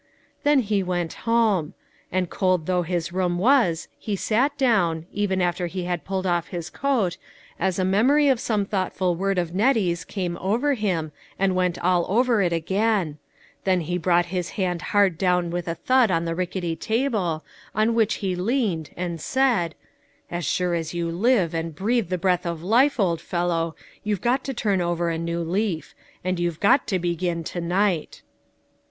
Then he went home. And cold though his room was he sat down, even after he had pulled off his coat, as a memory of some thoughtful word of Nettie's came over him, and went all over it again; then he brought his hard hand down with a thud on the rickety table, on which he leaned and said :" As sure as you live, and breathe the breath of life, old fellow, you've THE CROWNING WONDER. 409 got to turn over a new leaf ; and you've got to begin to night."